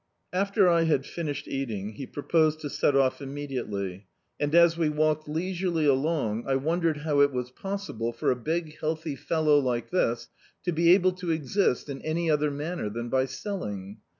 After I had finished eating, he proposed to set off immediately; and, as we walked leisurely along, I wondered how it was possible for a big healthy fel low like this to be able to exist in any other man ner than by selling.